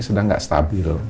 sedang tidak stabil